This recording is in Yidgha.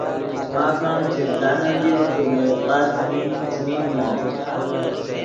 ماخ ام چڤزانم ڤیو کہ مو یدغا څیمین، څیمین نو